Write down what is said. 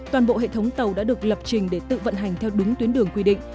toàn bộ hệ thống tàu đã được lập trình để tự vận hành theo đúng tuyến đường quy định